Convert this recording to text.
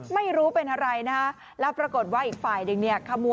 ไม่รู้เป็นอะไรนะแล้วปรากฏว่าอีกฝ่ายดังนี้